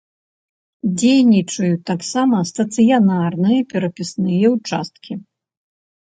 Дзейнічаюць таксама стацыянарныя перапісныя ўчасткі.